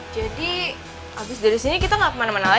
jadi habis dari sini kita tidak kemana mana lagi kan